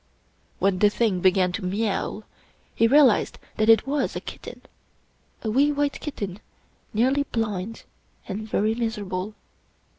When the thing began to myowl, he realized that it was a kitten — ^a wee white kitten, nearly blind and very miserable.